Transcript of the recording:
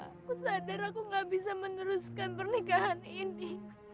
aku sadar aku gak bisa meneruskan pernikahan ini